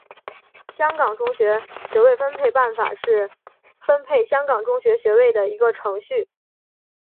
香港中学学位分配办法是分配香港中学学位的一个程序。